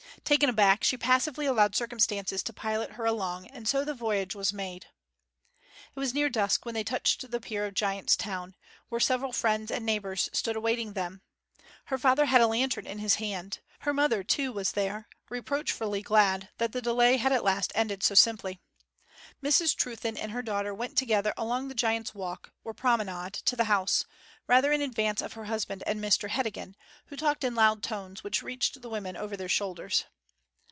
Taken aback she passively allowed circumstances to pilot her along; and so the voyage was made. It was near dusk when they touched the pier of Giant's Town, where several friends and neighbours stood awaiting them. Her father had a lantern in his hand. Her mother, too, was there, reproachfully glad that the delay had at last ended so simply. Mrs Trewthen and her daughter went together along the Giant's Walk, or promenade, to the house, rather in advance of her husband and Mr Heddegan, who talked in loud tones which reached the women over their shoulders.